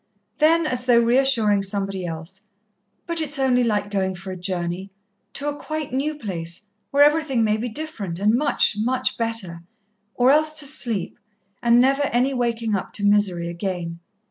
Then, as though reassuring somebody else, "But it's only like going for a journey to a quite new place where everything may be different and much, much better ... or else to sleep, and never any waking up to misery again....